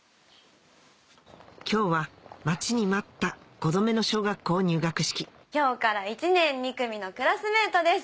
今日は待ちに待った５度目の小学校入学式今日から１年２組のクラスメートです。